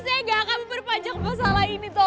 saya gak akan berpanjang pasal lo allie